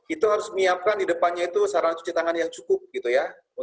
itu harus di depannya harus sarang cuci tangan yang cukup gitu ya